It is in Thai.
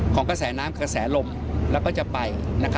กระแสน้ำกระแสลมแล้วก็จะไป